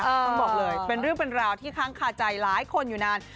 ต้องบอกเลยเป็นเรื่องเป็นราวที่ค้างคาใจหลายคนอยู่นาน